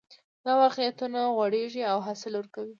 دا واقعیتونه غوړېږي او حاصل ورکوي